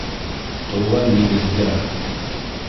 Тыуған нигеҙҙә...